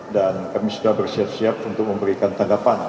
dan kami sudah bersiap siap untuk memberikan tanggapan